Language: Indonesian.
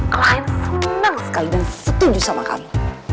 klien senang sekali dan setuju sama kamu